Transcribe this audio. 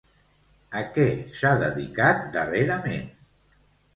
A què s'ha dedicat darrerament?